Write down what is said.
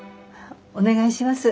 お願いします。